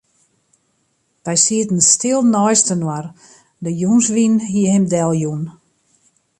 Wy sieten stil neistinoar, de jûnswyn hie him deljûn.